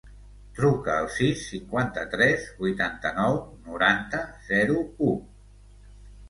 Truca al sis, cinquanta-tres, vuitanta-nou, noranta, zero, u.